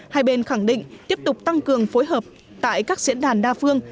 hai bên khẳng định tiếp tục tăng cường phối hợp tại các diễn đàn đa phương